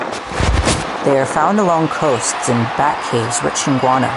They are found along coasts and in bat caves rich in guano.